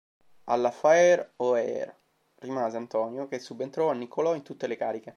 Alle Fær Øer rimase Antonio, che subentrò a Niccolò in tutte le cariche.